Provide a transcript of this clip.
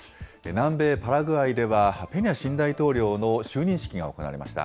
南米パラグアイでは、ペニャ新大統領の就任式が行われました。